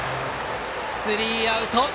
スリーアウト。